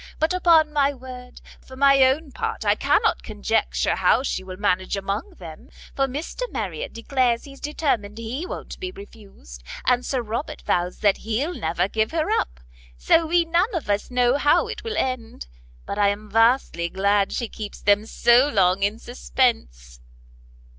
But upon my word, for my own part, I cannot conjecture how she will manage among them, for Mr Marriot declares he's determined he won't be refused, and Sir Robert vows that he'll never give her up. So we none of us know how it will end; but I am vastly glad she keeps them so long in suspence."